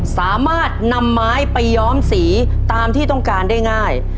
สามารถนำไม้ไปย้อมสีตามที่ต้องการได้ง่าย